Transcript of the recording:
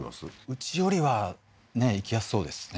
うちよりは行きやすそうですね